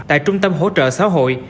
tại trung tâm hỗ trợ xã hội